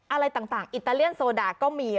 อะไรต่างอิตาเลียนโซดาก็มี